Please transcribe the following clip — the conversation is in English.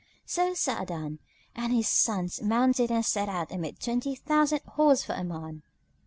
So Sa'adan and his sons mounted and set out, amid twenty thousand horse for Oman.